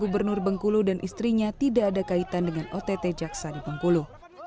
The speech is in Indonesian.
gubernur bengkulu dan istrinya tidak ada kaitan dengan ott jaksa di bengkulu